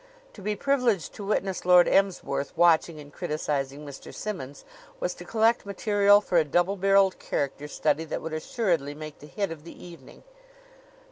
To be privileged to witness Lord Emsworth watching and criticizing Mr. Simmonds was to collect material for a double barreled character study that would assuredly make the hit of the evening.